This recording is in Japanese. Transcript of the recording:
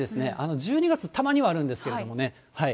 １２月、たまにはあるんですけどね。